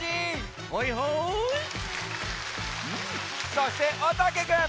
そしておたけくん！